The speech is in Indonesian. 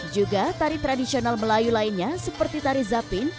juga tari tradisional melayu lainnya seperti tari zapin